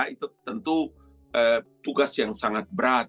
itu tentu tugas yang sangat berat